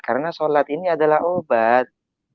karena sholat ini adalah obat